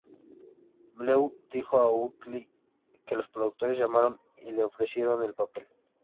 Bleu dijo a Us Weekly que los productores llamaron y le ofrecieron el papel.